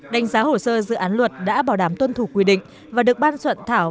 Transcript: đánh giá hồ sơ dự án luật đã bảo đảm tuân thủ quy định và được ban soạn thảo